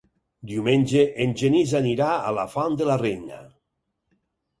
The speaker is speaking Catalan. Diumenge en Genís anirà a la Font de la Reina.